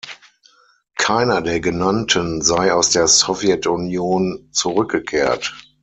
Keiner der Genannten sei aus der Sowjetunion zurückgekehrt.